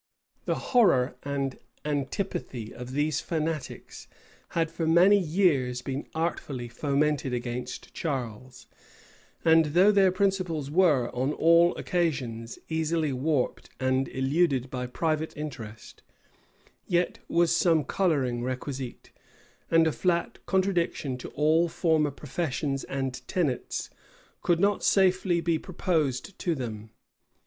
The horror and antipathy of these fanatics had for many years been artfully fomented against Charles; and though their principles were, on all occasions, easily warped and eluded by private interest, yet was some coloring requisite, and a flat contradiction to all former professions and tenets could not safely be proposed to them.